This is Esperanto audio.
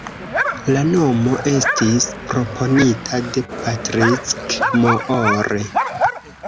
La nomo estis proponita de Patrick Moore.